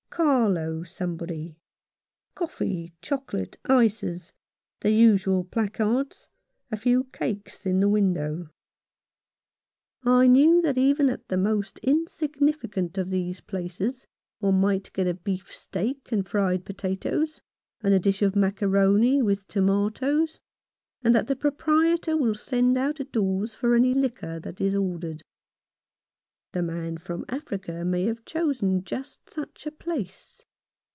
Carlo somebody —" Coffee, chocolate, ices," the usual placards, a few cakes in the window. I knew that even at the most insignificant of these places one may get a beefsteak and fried potatoes, and a dish of macaroni with tomatoes, and that the proprietor will send out of doors for any liquor that is ordered. The man from Africa may have chosen just such a place.